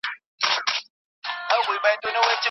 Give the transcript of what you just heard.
پخوا به خلګو خپل مذهبي مراسم په ازادي ترسره کول.